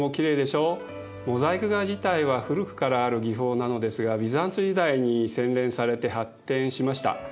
モザイク画自体は古くからある技法なのですがビザンツ時代に洗練されて発展しました。